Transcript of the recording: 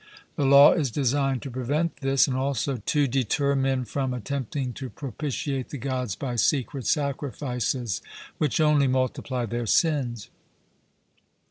The law is designed to prevent this, and also to deter men from attempting to propitiate the Gods by secret sacrifices, which only multiply their sins.